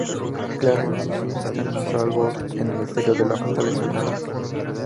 Clara y Missy están a salvo en el exterior de la fortaleza Dalek.